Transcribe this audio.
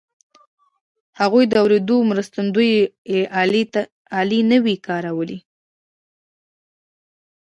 هغوی د اورېدو مرستندويي الې نه وې کارولې